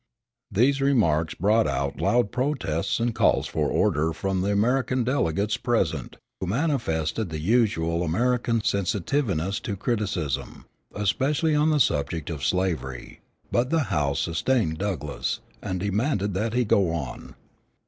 These remarks brought out loud protests and calls for order from the American delegates present, who manifested the usual American sensitiveness to criticism, especially on the subject of slavery; but the house sustained Douglass, and demanded that he go on.